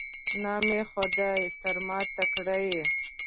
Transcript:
نام خدای، تر ما تکړه یې.